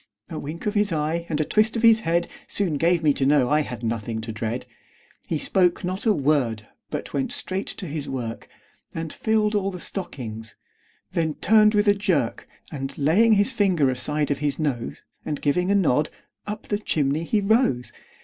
A wink of his eye, and a twist of his head, Soon gave me to know I had nothing to dread. He spoke not a word, but went straight to his work, And filled all the stockings; then turned with a jerk, And laying his finger aside of his nose, And giving a nod, up the chimney he rose.